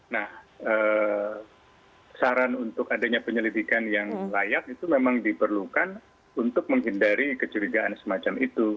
nah saran untuk adanya penyelidikan yang layak itu memang diperlukan untuk menghindari kecurigaan semacam itu